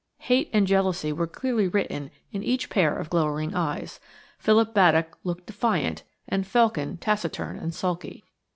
Hate and jealousy were clearly written in each pair of glowering eyes. Philip Baddock looked defiant, and Felkin taciturn and sulky.